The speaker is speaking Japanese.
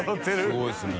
すごいですね。